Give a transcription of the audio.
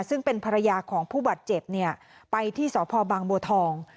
ซึ่งเป็นภรรยาของผู้บาดเจ็บเนี่ยไปที่สพบางบัวทอง